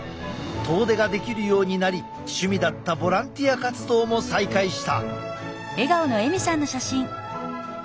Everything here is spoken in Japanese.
遠出ができるようになり趣味だったボランティア活動も再開した。